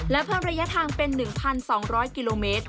และเพิ่มระยะทางเป็น๑๒๐๐กิโลเมตร